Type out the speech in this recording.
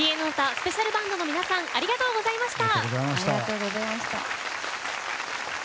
スペシャルバンドの皆さんありがとうございました。